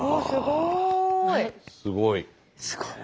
すごい。